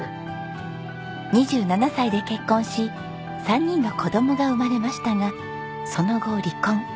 ２７歳で結婚し３人の子どもが生まれましたがその後離婚。